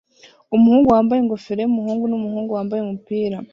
Umuhungu wambaye ingofero yumuhungu numuhungu wambaye umupira